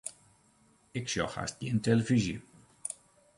Ik sjoch hast gjin telefyzje.